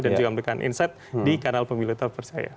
dan juga memberikan insight di kanal pemilu terpercaya